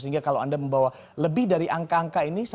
sehingga kalau anda membawa lebih dari angka angka ini